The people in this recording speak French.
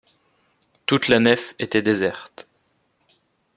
Toute la nef était déserte.